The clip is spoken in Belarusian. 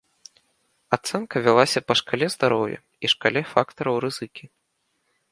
Ацэнка вялася па шкале здароўя і шкале фактараў рызыкі.